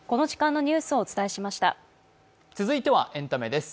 続いてはエンタメです。